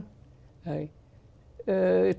thực hiện người quyết hâm chính